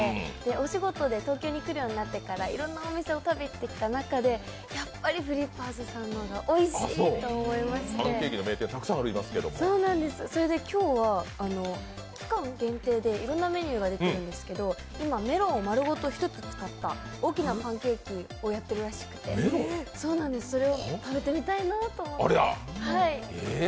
お仕事で東京に来るようになってから、いろんなお店に食べにいった中でやっぱりＦＬＩＰＰＥ’Ｓさんのがおいしいと思いまして、今日は、期間限定でいろんなメニューが出ているんですけど今、メロンを丸ごと一つ使った大きなパンケーキをやっているらしくて、それを食べてみたいなと思って。